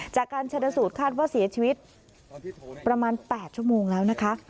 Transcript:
จากการชนสูตรคาดว่าเสียชีวิตประมาณ๘ชั่วโมงแล้วนะคะ